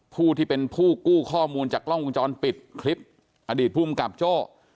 ผู้ที่เป็นผู้กู้ข้อมูลจากกล้องวงจรปิดคลิปอดีตภูมิกับโจ้